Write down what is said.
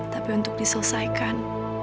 tapi untuk diselesaikan